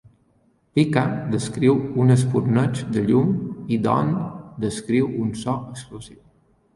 "Pika" descriu un espurneig de llum i "don" descriu un so explosiu.